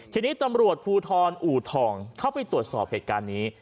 ทีนี้ตำรวจภูทรอูทองเข้าไปตรวจสอบเหตุการณ์นี้